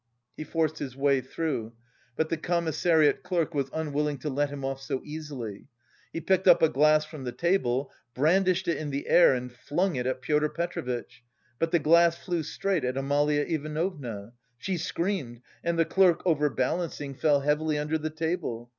He forced his way through. But the commissariat clerk was unwilling to let him off so easily: he picked up a glass from the table, brandished it in the air and flung it at Pyotr Petrovitch; but the glass flew straight at Amalia Ivanovna. She screamed, and the clerk, overbalancing, fell heavily under the table.